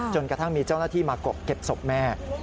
กระทั่งมีเจ้าหน้าที่มากบเก็บศพแม่